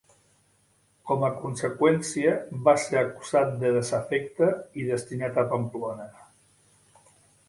Com a conseqüència, va ser acusat de desafecte i destinat a Pamplona.